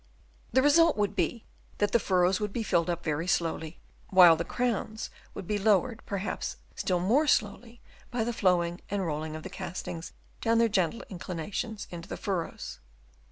The result would be that the furrows would be filled up very slowly, while the crowns would be lowered perhaps still more slowly by the flowing and rolling of the castings down their gentle inclinations into the furrows.